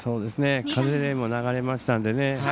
風でも流れましたのでね。